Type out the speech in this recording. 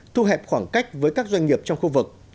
thu hẹp khoảng cách với các doanh nghiệp trong khu vực